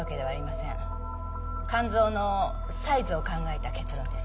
肝臓のサイズを考えた結論です。